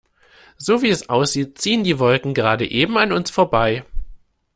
So, wie es aussieht, ziehen die Wolken gerade eben an uns vorbei.